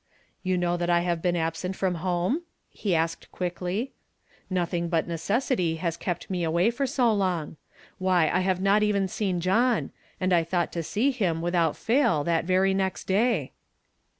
"You know that I have been absent from home?" he asked quickly. "Nothing but neces sity has kept me away for so long. Why, I have not even seen John I and I thought to see him, without fail, that very next day."